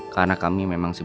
karena kami memang sedikit